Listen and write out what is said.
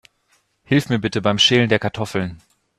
Hilf mir bitte beim Schälen der Kartoffeln.